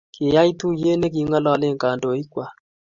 kiyaaka tuyie ne king'ololen kandoikwak